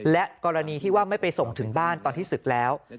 และกรณีที่ว่าไม่ไปส่งถึงบ้านตอนที่ศึกแล้ว